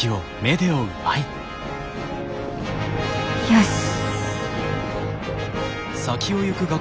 よし。